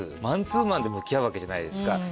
マンツーマンで向き合うわけじゃないですか。